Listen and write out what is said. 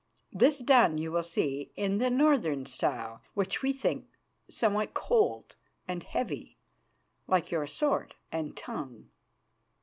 'Tis done, you will see, in the Northern style, which we think somewhat cold and heavy like your sword and tongue."